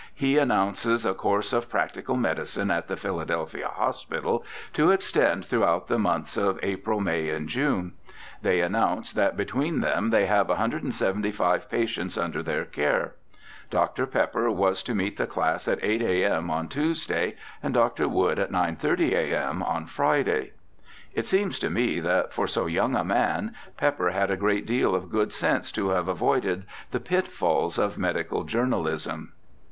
he announces a course of practical medicine at the Philadelphia Hospital, to extend through out the months of April, May, and June. They announce that between them they have 175 patients under their care. Dr. Pepper was to meet the class at 8 a.m. on Tuesday, and Dr. Wood at 9.3o.a.m. on Friday. It seems to me that for so young a man. Pepper had a great deal of good sense to have avoided the pitfalls WILLIAM PEPPER 217 of medical journalism.